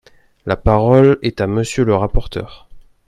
La parole est à Monsieur le rapporteur.